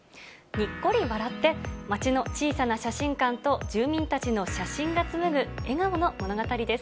にっこり笑って、町の小さな写真館と住民たちの写真が紡ぐ、笑顔の物語です。